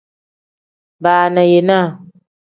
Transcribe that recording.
Baana yeenaa.